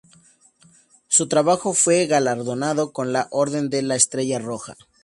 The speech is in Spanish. Su trabajo fue galardonado con la Orden de la Estrella Roja.